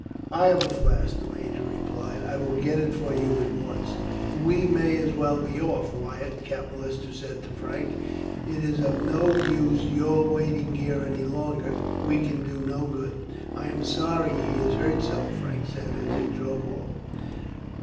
"I have a flask," the major replied. "I will get it for you at once." "We may as well be off, Wyatt," Captain Lister said to Frank; "it is of no use your waiting here any longer. We can do no good." "I am sorry he is hurt so," Frank said, as they drove off.